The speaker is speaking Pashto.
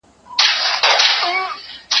دوهم ځل او دريم ځل يې په هوا كړ